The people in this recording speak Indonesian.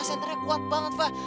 centernya kuat banget fah